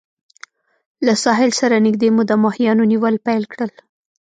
له ساحل سره نږدې مو د ماهیانو نیول پیل کړل.